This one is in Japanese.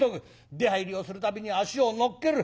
出はいりをする度に足を乗っける。